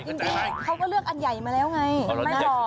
จริงเขาก็เลือกอันใหญ่มาแล้วไงไม่บอก